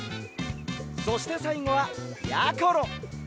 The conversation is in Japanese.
そしてさいごはやころ！